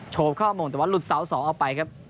โชบเข้ามุมแต่ว่าหลุดเสา๒เอาไปครับ